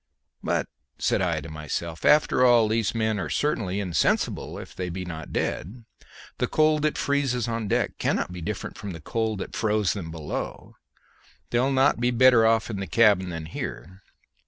But, said I to myself, after all, these men are certainly insensible if they be not dead; the cold that freezes on deck cannot be different from the cold that froze them below; they'll not be better off in the cabin than here.